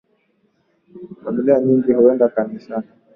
Familia nyingi huenda kanisani